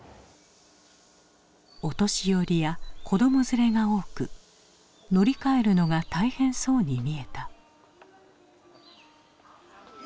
お年寄りや子ども連れが多く乗り換えるのが大変そうに見えた。